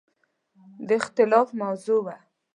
د اختلاف موضوع وه.